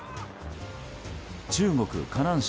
中国・河南省